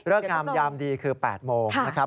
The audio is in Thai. เรื่องกามยามดีคือ๘โมงนะครับ